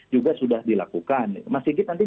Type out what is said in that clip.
juga sudah dilakukan mas sigit nanti